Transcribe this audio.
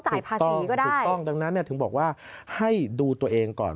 จากนั้นถึงบอกว่าให้ดูตัวเองก่อน